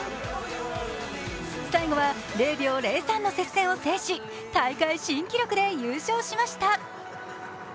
最後は０秒０３の接戦を制し大会新記録で優勝しました。